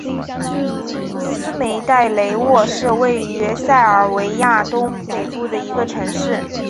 斯梅代雷沃是位于塞尔维亚东北部的一个城市。